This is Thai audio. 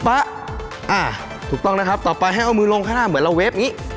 ถูกต้องนะครับต่อไปให้เอามือลงข้างหน้าเหมือนเราเวฟอย่างนี้